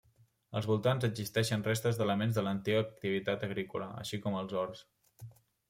Als voltants existeixen restes d'elements de l'antiga activitat agrícola, així com els horts.